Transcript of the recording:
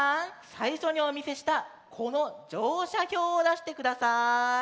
さいしょにおみせしたこのじょうしゃひょうをだしてください。